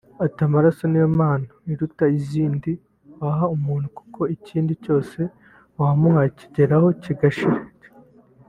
Ati “Amaraso ni yo mpano iruta izindi waha umuntu kuko ikindi cyose wamuha kigeraho kigashira